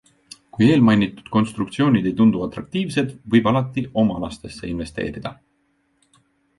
Kui eelmainitud konstruktsioonid ei tundu atraktiivsed, võib alati oma lastesse investeerida.